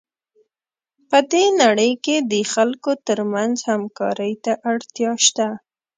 په دې نړۍ کې د خلکو ترمنځ همکارۍ ته اړتیا شته.